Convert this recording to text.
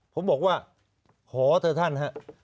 ผมบอกว่าขอเธอท่านครับ